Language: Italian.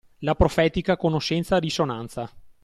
La profetica conoscenza-risonanza